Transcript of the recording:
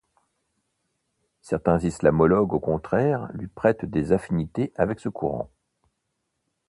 Certains islamologues au contraire lui prêtent des affinités avec ce courant.